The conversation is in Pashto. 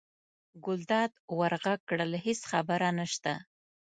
ګلداد ور غږ کړل: هېڅ خبره نشته.